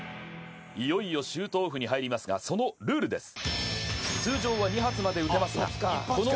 いよいよシュートオフに入りますが、そのルールです。